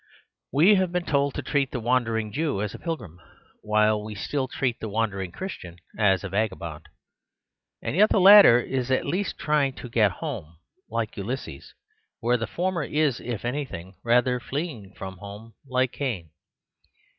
We have been told to treat the wandering Jew as a pilgrim, while we still treat the wandering Christian as a vagabond. And yet the latter is at least trying to get home, like Ulysses; whereas the former is, if anything, rather flee ing from home, like Cain.